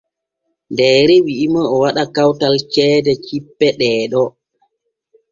Deere wi’i mo o waɗa kawtal ceede cippe ɗee ɗo.